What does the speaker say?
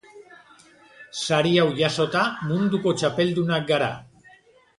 Sari hau jasota, munduko txapeldunak gara.